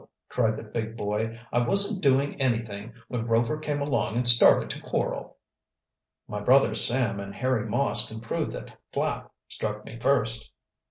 cried the big boy. "I wasn't doing anything, when Rover came along and started to quarrel." "My brother Sam and Harry Moss can prove that Flapp struck me first."